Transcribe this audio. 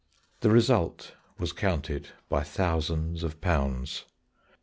The result was counted by thousands of pounds.